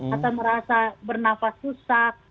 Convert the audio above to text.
atau merasa bernafas susah